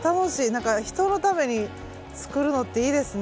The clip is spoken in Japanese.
なんか人のために作るのっていいですね。